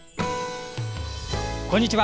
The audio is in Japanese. こんにちは。